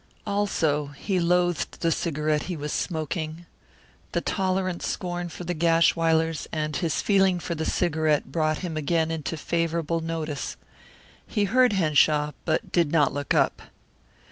Also, he loathed the cigarette he was smoking. The tolerant scorn for the Gashwilers and his feeling for the cigarette brought him again into favourable notice. He heard Henshaw, but did not look up.